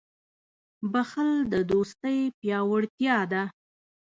• بښل د دوستۍ پیاوړتیا ده.